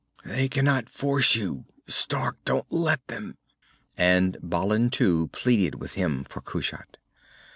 They cannot force you. Stark! Don't let them. And Balin, too, pleaded with him for Kushat.